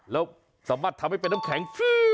แล้วสามารถทำให้เป็นน้ำแข็งฟรี